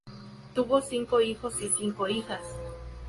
Tuvo cinco hijos y cinco hijas.